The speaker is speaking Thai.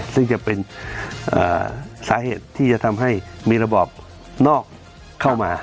ซึ่งจะเป็นสาเหตุที่จะทำให้มีระบอบนอกเข้ามา